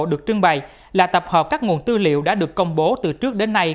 được trưng bày là tập hợp các nguồn tư liệu đã được công bố từ trước đến nay